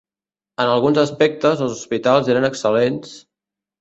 En alguns aspectes els hospitals eren excel·lents